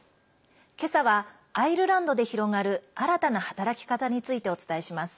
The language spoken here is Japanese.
けさはアイルランドで広がる新たな働き方についてお伝えします。